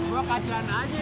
gua kasihan aja